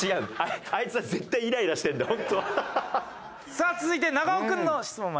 さあ続いて長尾君の質問まいります。